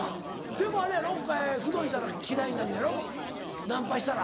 でもあれやろ口説いたら嫌いになんのやろ？ナンパしたら。